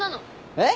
えっ！？